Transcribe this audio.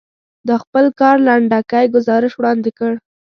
د خپل کار لنډکی ګزارش وړاندې کړ.